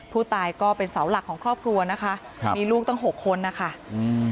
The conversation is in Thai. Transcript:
ผู้ตายก็เป็นเสาหลักของครอบครัวนะคะครับมีลูกตั้งหกคนนะคะอืม